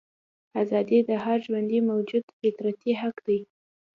ازادي د هر ژوندي موجود فطري حق دی.